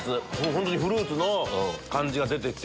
本当にフルーツの感じが出てて。